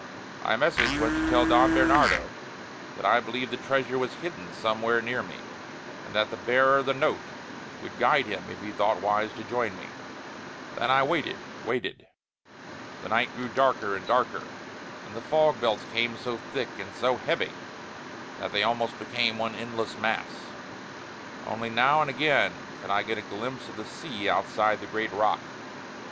My message was to tell Don Bernardino that I believed the treasure was hidden somewhere near me, and that the bearer of the note would guide him if he thought wise to join me. Then I waited, waited. The night grew darker and darker; and the fog belts came so thick and so heavy that they almost became one endless mass. Only now and again could I get a glimpse of the sea outside the great rock.